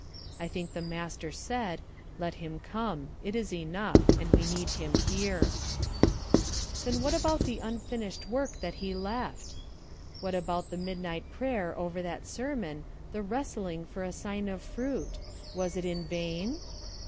I think the master said: "Let him come; it is enough; and we need him here." Then what about the unfinished work that he left? What about the midnight prayer over that sermon, the wrestling for a sign of fruit? Was it in vain?